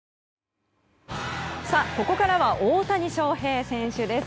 さあ、ここからは大谷翔平選手です。